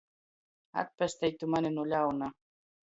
Atpestej tu mani nu ļauna!